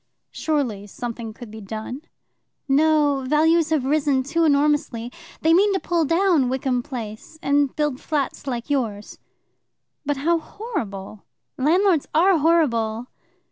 "Surely something could be done." "No; values have risen too enormously. They mean to pull down Wickham Place, and build flats like yours." "But how horrible!" "Landlords are horrible."